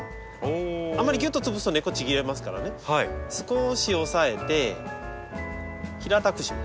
あんまりぎゅっと潰すと根っこちぎれますからね少し押さえて平たくします。